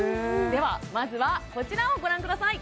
ではまずはこちらをご覧ください